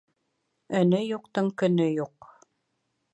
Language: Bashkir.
Өнө юҡтың көнө юҡ.